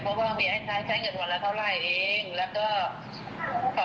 เพราะว่าเขามีใครใช้เงินวันละเท่าไหร่เองแล้วก็